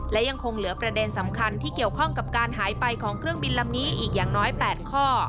และยังคงเหลือประเด็นสำคัญที่เกี่ยวข้องกับการหายไปของเครื่องบินลำนี้อีกอย่างน้อย๘ข้อ